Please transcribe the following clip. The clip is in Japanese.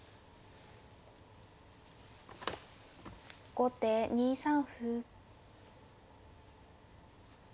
後手２三歩。